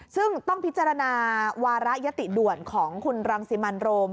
ซึ่งต้องพิจารณาวาระยติด่วนของคุณรังสิมันโรม